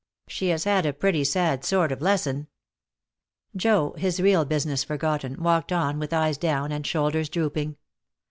"She has had a pretty sad sort of lesson." Joe, his real business forgotten, walked on with eyes down and shoulders drooping.